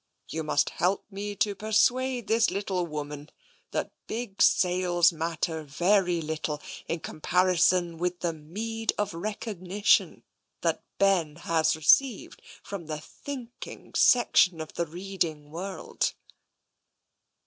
" You must help me to persuade this little woman, that big sales matter very little in comparison with the meed of recognition that ' Ben ' has received from the think ing section of the reading world."